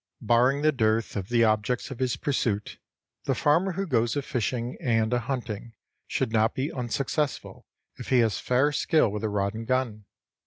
Barring the dearth of the objects of his pursuit, the farmer who goes a fishing and a hunting should not be unsuccessful if he has fair skill with the rod and gun.